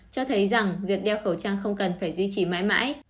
cho thấy rằng việc đeo khẩu trang không cần phải duy trì mãi mãi